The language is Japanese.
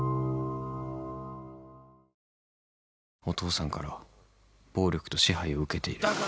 「お父さんから暴力と支配を受けている」